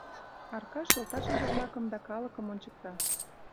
— Аркаш йолташыже-влакым да калыкым ончыкта.